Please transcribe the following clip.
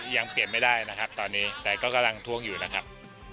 ยังเปลี่ยนไม่ได้นะครับตอนนี้แต่ก็กำลังท้วงอยู่นะครับ